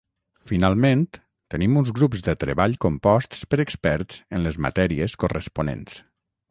Finalment, tenim uns grups de treball composts per experts en les matèries corresponents.